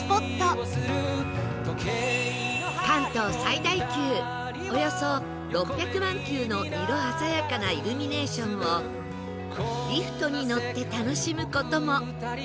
関東最大級およそ６００万球の色鮮やかなイルミネーションをリフトに乗って楽しむ事も